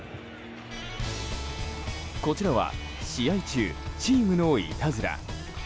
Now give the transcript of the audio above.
こちらは試合中チームのいたずら。